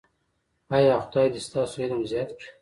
ایا خدای دې ستاسو علم زیات کړي؟